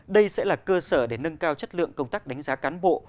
đây sẽ là cơ sở để nâng cao chất lượng công tác đánh giá cán bộ